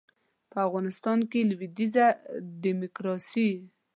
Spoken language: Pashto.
په افغانستان کې لویدیځه ډیموکراسي